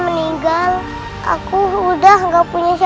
sedang apa kamu nak